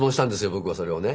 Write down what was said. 僕はそれをね。